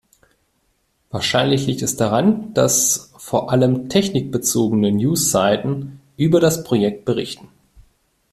Wahrscheinlich liegt es daran, dass vor allem technikbezogene News-Seiten über das Projekt berichten.